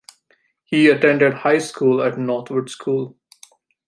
He attended high school at Northwood School.